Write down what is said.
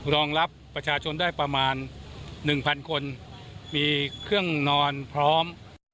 รองรับประชาชนได้ประมาณ๑๐๐คนมีเครื่องนอนพร้อม